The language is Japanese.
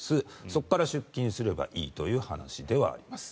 そこから出金すればいいという話ではあります。